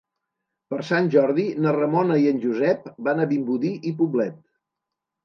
Per Sant Jordi na Ramona i en Josep van a Vimbodí i Poblet.